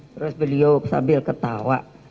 terus beliau sambil ketawa